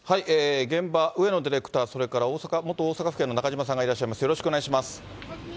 現場、上野ディレクター、それから元大阪府警の中島さんがいらっしゃいます。